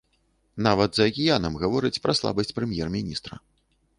Нават за акіянам гавораць пра слабасць прэм'ер-міністра.